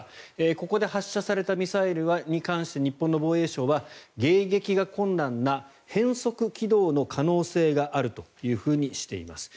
ここで発射されたミサイルに関して日本の防衛省は迎撃が困難な変則軌道の可能性があるとしています。